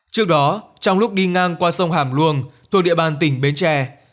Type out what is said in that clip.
trước đó trong lúc đi ngang qua sông hàm luông thuộc địa bàn tỉnh bến tre